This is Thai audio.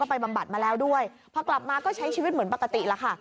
พอกลับมาก็ใช้ชีวิตเหมือนปกติแล้ว